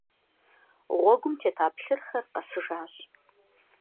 Гъуэгум тета плъырхэр къэсыжащ.